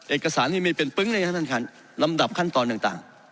เอกสารที่มีเป็นปึ๊งลำดับขั้นตอนต่าง